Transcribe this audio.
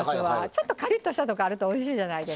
ちょっとカリッとしたとこあるとおいしいじゃないですか。